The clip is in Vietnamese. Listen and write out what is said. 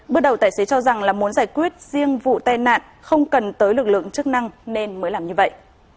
bước đầu tài xế cho rằng là muốn giải quyết riêng vụ tai nạn không cần tới lực lượng chức năng nên mới làm như vậy